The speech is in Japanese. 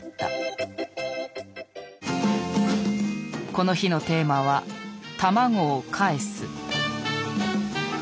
この日のテーマは「卵をかえす」。